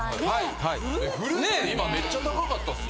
今めっちゃ高かったです。